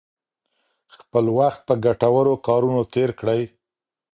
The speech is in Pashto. خپل وخت په ګټورو کارونو تیر کړئ.